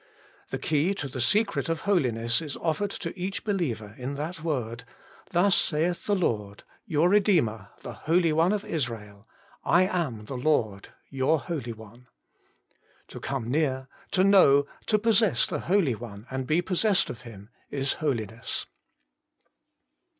The key to the secret of holiness is offered to each believer in that word : 'Thus saith the Lord, your Redeemer, the Holy One of Israel: I am the Lord, your Holy One. 1 To come near, to know, to possess the Holy One, and be possessed of Him, is Holiness.